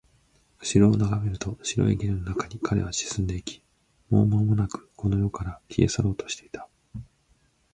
後ろを眺めると、白いゲルの中に彼は沈んでいき、もうまもなくこの世から消え去ろうとしていた